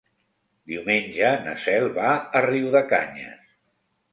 Diumenge na Cel va a Riudecanyes.